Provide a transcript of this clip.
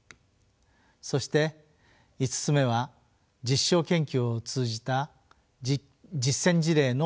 そして５つ目は実証研究を通じた実践事例の蓄積です。